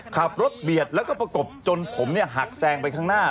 ขับรถเบียดแล้วก็ประกบจนผมหักแซงไปข้างหน้า